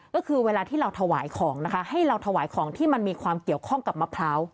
ก็คือเวลาที่เราถวายของนะคะให้เราถวายของที่มันมีความเกี่ยวข้องกับมะพร้าว